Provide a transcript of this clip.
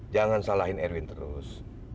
jangan salahin erwin terus